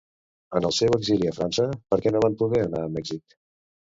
En el seu exili a França, per què no van poder anar a Mèxic?